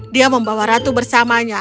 dia membawa ratu bersamanya